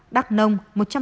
bắc nông một trăm linh ba